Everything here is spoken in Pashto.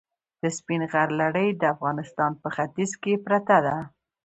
د سپین غر لړۍ د افغانستان په ختیځ کې پرته ده.